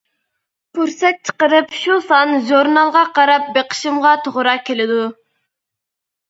پۇرسەت چىقىرىپ شۇ سان ژۇرنالغا قاراپ بېقىشىمغا توغرا كېلىدۇ.